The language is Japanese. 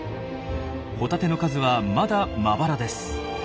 ホタテの数はまだまばらです。